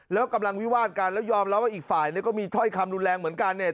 แล้วกำลังวิวาดกันแล้วยอมรับว่าอีกฝ่ายเนี่ยก็มีถ้อยคำรุนแรงเหมือนกันเนี่ย